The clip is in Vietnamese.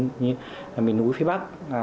miền núi phía bắc